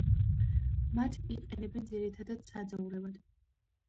მათ იყენებენ ძირითადად საძოვრებად.